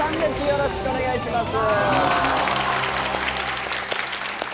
よろしくお願いします。